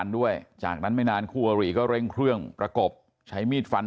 ด้วยจากนั้นไม่นานคู่อริก็เร่งเครื่องประกบใช้มีดฟัน